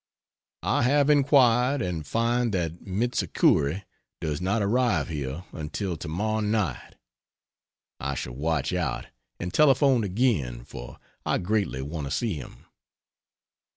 I have inquired, and find that Mitsikuri does not arrive here until to morrow night. I shall watch out, and telephone again, for I greatly want to see him.